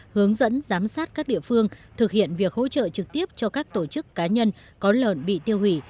hướng dẫn giám sát các địa phương thực hiện việc hỗ trợ trực tiếp cho các tổ chức cá nhân có lợn bị tiêu hủy